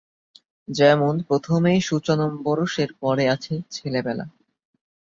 যেমন প্রথমেই সূচনম্বরশের পরে আছে 'ছেলেবেলা'।